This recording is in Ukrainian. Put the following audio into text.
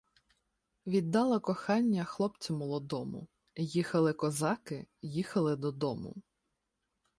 Віддала кохання хлопцю молодому Їхали козаки, їхали додому